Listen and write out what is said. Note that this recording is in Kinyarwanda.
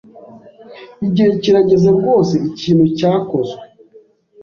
Igihe kirageze rwose ikintu cyakozwe.